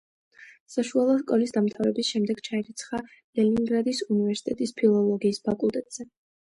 საშუალო სკოლის დამთავრების შემდეგ ჩაირიცხა ლენინგრადის უნივერსიტეტის ფილოლოგიის ფაკულტეტზე.